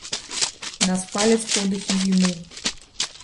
Нас паляць подыхі зімы.